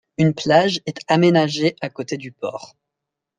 Une plage est aménagée à côté du port.